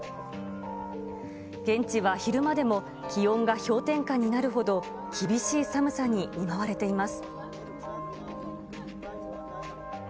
現地は昼間でも気温が氷点下になるほど、厳しい寒さに見舞われています。